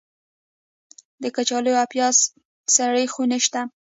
د کچالو او پیاز سړې خونې شته؟